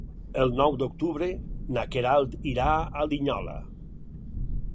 El nou d'octubre na Queralt irà a Linyola.